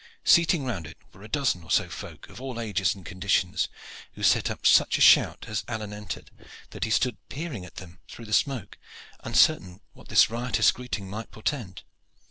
Seated round it were a dozen or so folk, of all ages and conditions, who set up such a shout as Alleyne entered that he stood peering at them through the smoke, uncertain what this riotous greeting might portend.